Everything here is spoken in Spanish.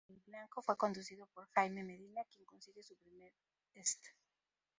Cariblanco fue conducido por Jaime Medina, quien consigue su primer "St.